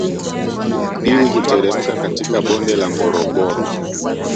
Ili kuteremka katika bonde la ngorongoro